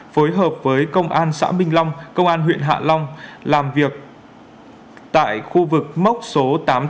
phối hợp với công an xã minh long công an huyện hạ long làm việc tại khu vực mốc số tám trăm ba mươi bảy tám trăm ba mươi tám